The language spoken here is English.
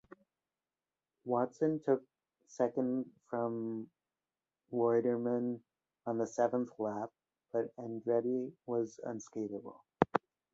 Watson took second from Reutemann on the seventh lap, but Andretti was uncatchable.